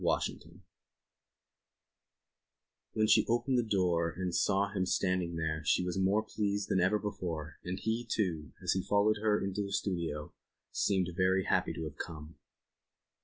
Psychology When she opened the door and saw him standing there she was more pleased than ever before, and he, too, as he followed her into the studio, seemed very very happy to have come.